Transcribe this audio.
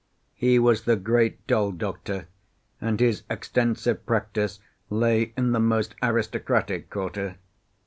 He was the great doll doctor, and his extensive practice lay in the most aristocratic quarter.